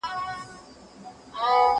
زه به سبا د تکړښت لپاره ځم؟!